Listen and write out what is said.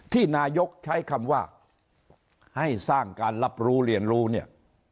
ที่นายกใช้คำว่าให้สร้างการรับรู้เรียนรู้เนี่ย